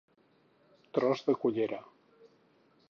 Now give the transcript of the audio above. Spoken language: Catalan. Tros de collera.